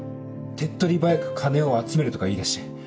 手っ取り早く金を集めるとか言い出して。